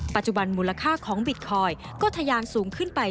ปัจจุบันมูลค่าของบิตคอยน์ก็ทะยานสูงขึ้นไป